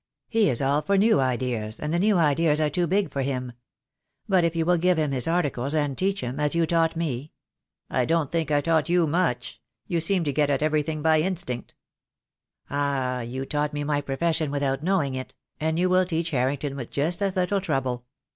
He is all for new ideas, and the new ideas are too big for him. But if you will give him his articles, and teach him, as you taught me " "I don't think I taught you much. You seemed to get at everything by instinct." 152 THE DAY WILL COME. "Ah, you taught me my profession without knowing it; and you will teach Harrington with just as little trouble.